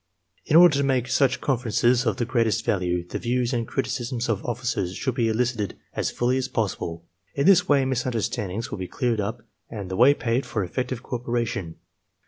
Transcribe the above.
In order to make such conferences of the greatest value, the views and criticisms of officers should be elicited as fully as possible. In this way misunderstandings will be cleared up and the way paved for effective cooperation.